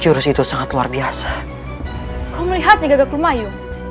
jurus itu sangat luar biasa kau melihatnya gagal mayu